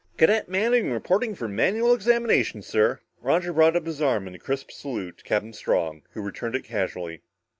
"Cadet Manning reporting for manual examination, sir." Roger brought up his arm in a crisp salute to Captain Strong, who returned it casually.